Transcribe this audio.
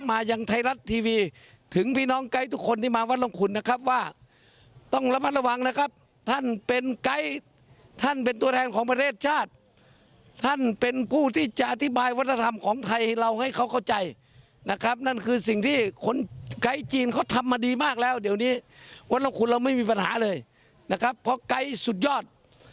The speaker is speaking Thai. ไม่มีปัญหาเลยเพราะไกด์สุดยอด